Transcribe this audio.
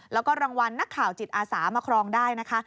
แล้วก็รางวัลนักข่าวจิตอาสามาครองได้นะคะ